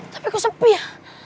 tapi kok sepi ya